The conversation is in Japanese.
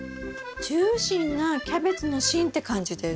ジューシーなキャベツの芯って感じです。